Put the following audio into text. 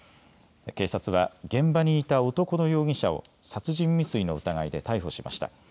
警察は、現場にいた男の容疑者を殺人未遂の疑いで逮捕しました。